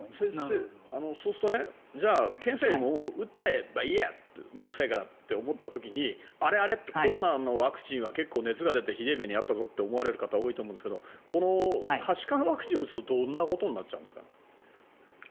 先生、そうすると検査よりもう打っちゃえばいいや面倒臭いからって思った場合にコロナのワクチンは結構熱が出てひどい目に遭ったぞと思われる方多いと思うんですがこのはしかのワクチンを打つとどんなことになっちゃうんですか。